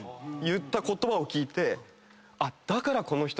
言った言葉を聞いて。